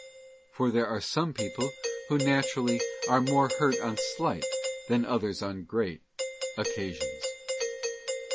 For there are some people who naturally are more hurt on slight, than others on great, occasions.